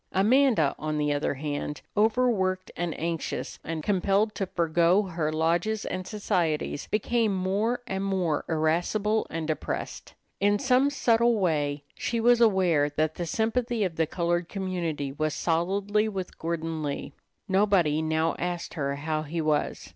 Amanda, on the other hand, overworked and anxious, and compelled to forego her lodges and societies, became more and more irascible and depressed. In some subtle way she was aware that the sympathy of the colored community was solidly with Gordon Lee. Nobody now asked her how he was.